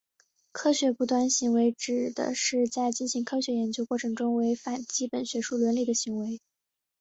科学不端行为指的是在进行科学研究过程中违反基本学术伦理的行为。